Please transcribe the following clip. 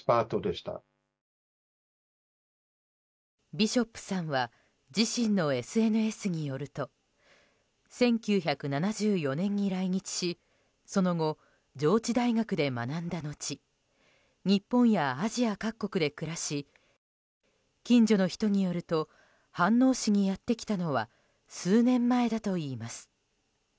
ビショップさんは自身のＳＮＳによると１９７４年に来日しその後、上智大学で学んだ後日本やアジア各国で暮らし近所の人によると飯能市にやってきたのは数年前だといいます。